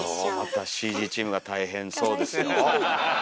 またＣＧチームが大変そうですよ。